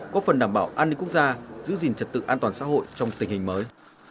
có phần đảm bảo an ninh quốc gia giữ gìn trật tự an toàn xã hội trong tình hình mới